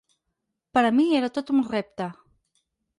Per a mi era tot un repte.